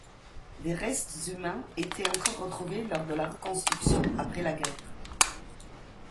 Des restes humains étaient encore retrouvés lors de la reconstruction après la guerre.